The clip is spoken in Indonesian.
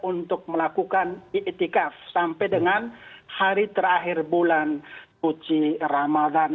untuk melakukan itikaf sampai dengan hari terakhir bulan suci ramadan